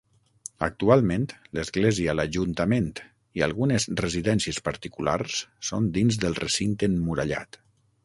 Actualment, l'església, l'Ajuntament i algunes residències particulars són dins del recinte emmurallat.